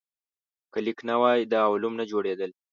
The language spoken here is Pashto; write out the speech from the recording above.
که لیک نه وای، دا علوم نه جوړېدل.